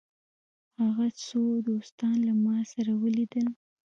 هغه څو دوستان له ما سره ولیدل.